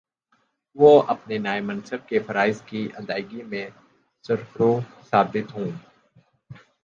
وہ اپنے نئے منصب کے فرائض کی ادائیگی میں سرخرو ثابت ہوں